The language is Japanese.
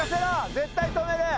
絶対止める！